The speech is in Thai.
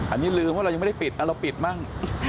อันนี้ลืมว่าเรายังไม่ได้ปิดเราปิดมั่ง